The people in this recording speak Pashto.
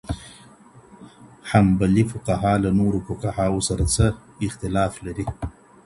حنبلي فقهاء له نورو فقهاوو سره څه اختلاف لري؟